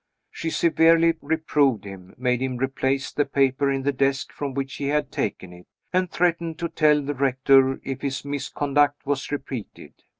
She severely reproved him, made him replace the paper in the desk from which he had taken it, and threatened to tell the Rector if his misconduct was repeated.